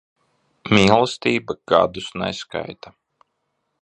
Mīlestība gadus neskaita.